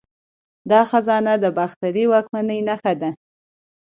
دا خزانه د باختري واکمنۍ نښه ده